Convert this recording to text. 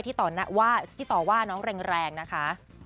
ที่ต่อว่าน้องแรงนะคะ